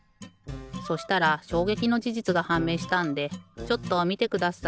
そしたらしょうげきのじじつがはんめいしたんでちょっとみてください。